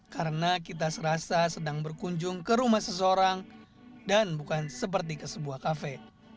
karena kita serasa sedang berkunjung ke rumah seseorang dan bukan seperti ke sebuah cafe